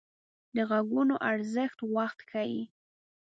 د غږونو ارزښت وخت ښيي